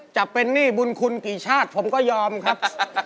จะเป็นหนี้บุญคุณกี่ชาติผมก็ยอมครับ